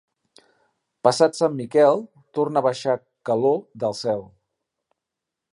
Passat Sant Miquel, torna a baixar calor del cel.